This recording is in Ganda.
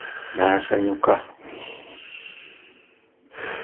N'asanyuka.